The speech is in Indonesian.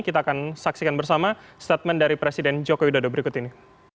kita akan saksikan bersama statement dari presiden joko widodo berikut ini